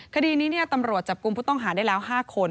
คดีนี้ตำรวจจับกลุ่มผู้ต้องหาได้แล้ว๕คน